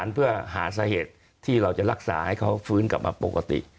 เพื่อหาสาเหตุที่เราจะรักษาให้เขาฟื้นกลับมาปกติ